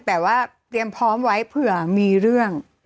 แต่ว่าเตรียมพร้อมไว้เผื่อมีเรื่อง